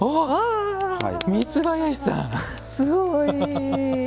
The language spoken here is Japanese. すごい。